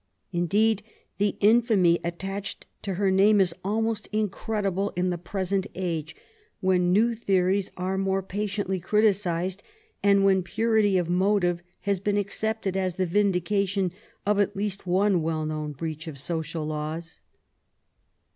Indeed, the infamy attached to her name is almost incredible in the present age^ when new theories are more patiently criticised, and when purity of motive has been accepted as the vindication of at least one well known breach of social laws.